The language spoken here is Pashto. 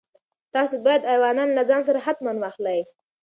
تاسو باید ایوانان له ځان سره حتماً واخلئ.